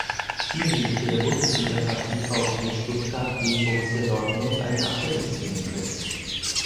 Spielminute der Bundesligapartie VfB Stuttgart gegen Borussia Dortmund einen Achillessehnenriss.